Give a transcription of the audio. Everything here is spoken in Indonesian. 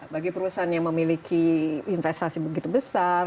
bagi perusahaan yang memiliki investasi begitu besar